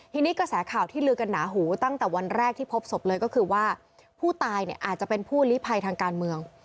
ทีนี้กระแสข่าวที่ลือกันหนาหูตั้งแต่วันแรกที่พบศพเลยก็คือว่าผู้ตายเนี่ยอาจจะเป็นผู้ลิภัยทางการเมือง